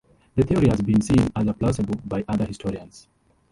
The theory has been seen as a plausible by other historians.